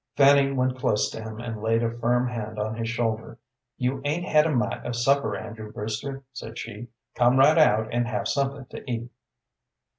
Fanny went close to him and laid a firm hand on his shoulder. "You 'ain't had a mite of supper, Andrew Brewster," said she; "come right out and have something to eat."